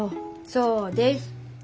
そうです。